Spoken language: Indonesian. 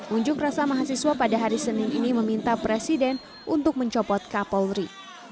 unjuk rasa mahasiswa pada hari senin ini meminta presiden untuk mencopot kapolri